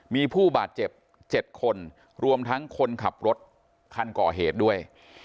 มีผู้บาดเจ็บ๗คนรวมทั้งคนขับรถคันก่อเหตุด้วย